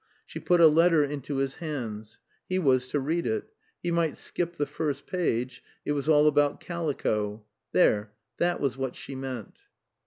She put a letter into his hands. He was to read it; he might skip the first page, it was all about calico. There that was what she meant.